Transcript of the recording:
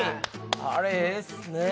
あれええっすねねえ